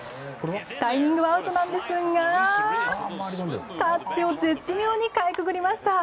タイミングはアウトなんですがタッチを絶妙にかいくぐりました。